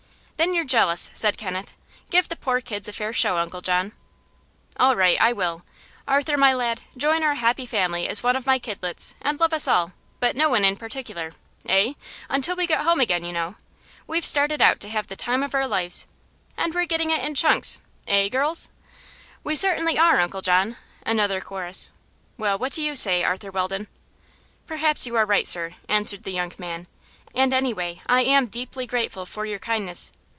"Then you're jealous," said Kenneth. "Give the poor kids a fair show, Uncle John." "All right, I will. Arthur, my lad, join our happy family as one of my kidlets, and love us all but no one in particular. Eh? Until we get home again, you know. We've started out to have the time of our lives, and we're getting it in chunks eh, girls?" "We certainly are, Uncle John!" Another chorus. "Well, what do you say, Arthur Weldon?" "Perhaps you are right, sir," answered the young man. "And, anyway, I am deeply grateful for your kindness.